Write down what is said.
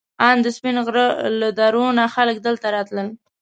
ان د سپین غر له درو نه خلک دلته راتلل.